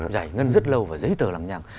giải ngân rất lâu và giấy tờ làm nhằng